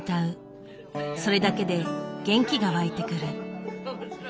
それだけで元気が湧いてくる。